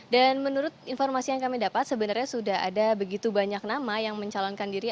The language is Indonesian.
dan menurut informasi yang kami dapat sebenarnya sudah ada begitu banyak nama yang mencalonkan diri